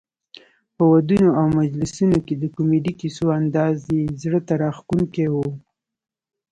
په ودونو او مجلسونو کې د کمیډي کیسو انداز یې زړه ته راښکوونکی وو.